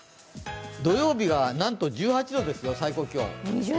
土曜日が、なんと１８度ですよ、最高気温。